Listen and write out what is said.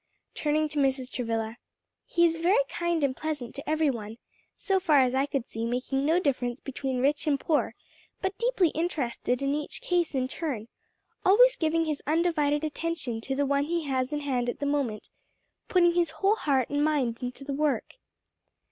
Turning to Mrs. Travilla, "He is very kind and pleasant to every one; so far as I could see making no difference between rich and poor, but deeply interested in each case in turn; always giving his undivided attention to the one he has in hand at the moment; putting his whole heart and mind into the work."